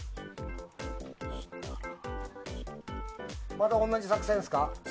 また同じ作戦ですか？